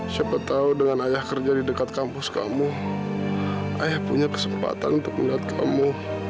siapa tahu dengan ayah kerja di dekat kampus kamu ayah punya kesempatan untuk melihat kamu